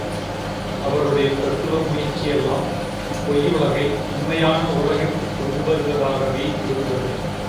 அவருடைய தத்துவ முயற்சியெல்லாம் இப்பொய்யுலகை, உண்மையான உலகிற்குக் கொண்டு வருவதாகவே இருந்தது.